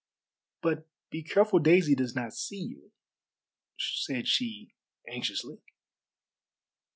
"But be careful Daisy does not see you," said she anxiously.